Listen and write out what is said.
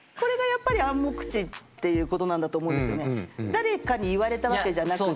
誰かに言われたわけじゃなくって。